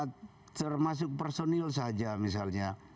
termasuk personil saja misalnya